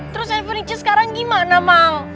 terus handphone ichi sekarang gimana mang